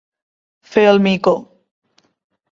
Fer el mico.